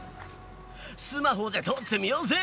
スマホで撮ってみようぜ！